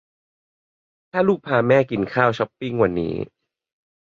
ถ้าลูกพาแม่กินข้าวช้อปปิ้งวันนี้